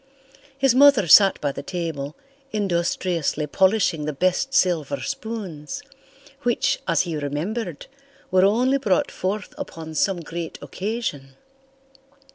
His mother sat by the table, industriously polishing the best silver spoons, which, as he remembered, were only brought forth upon some great occasion.